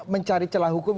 mencari celah hukum